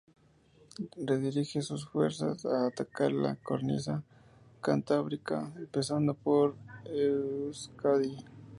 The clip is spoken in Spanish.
Redirige sus fuerzas a atacar la cornisa Cantábrica empezando por Euskadi.